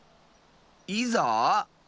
「いざ」？